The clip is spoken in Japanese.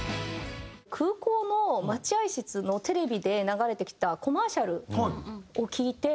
空港の待合室のテレビで流れてきたコマーシャルを聴いて。